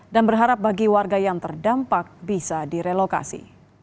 dan berharap bagi warga yang terdampak bisa direlokasi